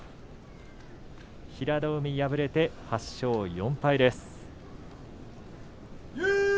平戸海、敗れて８勝４敗です。